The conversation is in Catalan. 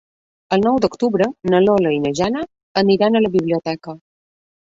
El nou d'octubre na Lola i na Jana aniran a la biblioteca.